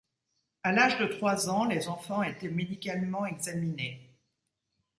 À l'âge de trois ans, les enfants étaient médicalement examinés.